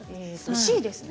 Ｃですね。